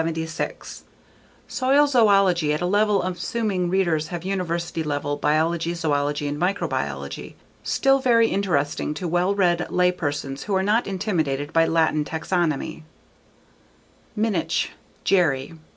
Soil zoology at a level assuming readers have university level biology, zoology and microbiology. Still, very interesting to well read lay persons who are not intimidated by Latin taxonomy. Minnich, Jerry.